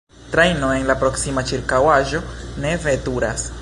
Trajno en la proksima ĉirkaŭaĵo ne veturas.